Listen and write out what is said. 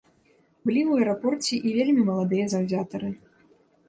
Былі ў аэрапорце і вельмі маладыя заўзятары.